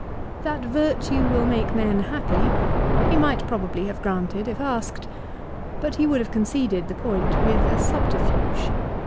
That virtue will make men happy be might probably have granted if asked ; but he would have conceded the point with a subterfuge.